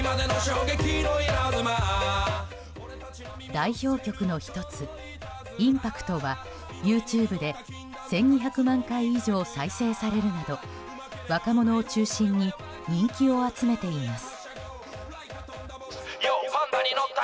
代表曲の１つ「韻波句徒」はＹｏｕＴｕｂｅで１２００万回以上再生されるなど若者を中心に人気を集めています。